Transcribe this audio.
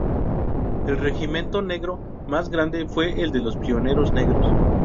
El regimiento Negro más grande fue el de los pioneros negros.